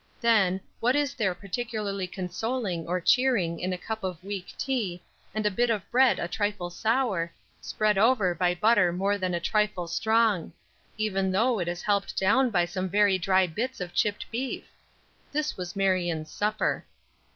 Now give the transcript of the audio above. Then, what is there particularly consoling or cheering in a cup of weak tea and a bit of bread a trifle sour, spread over by butter more than a trifle strong; even though it is helped down by some very dry bits of chipped beef? This was Marion's supper.